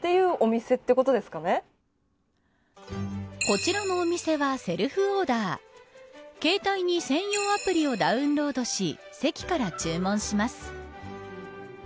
こちらのお店はセルフオーダー携帯に専用アプリをダウンロードし席から注文します。